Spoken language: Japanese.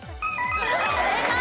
正解！